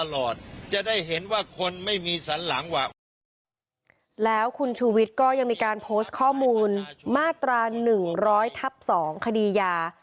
แล้วคุณชุวิทย์ก็ยังมีการโพสต์ข้อมูลมาตรา๑๐๐ทับ๒คดียา